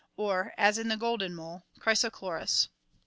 58); or, as in the golden mole (CkrysochlortSy Fig.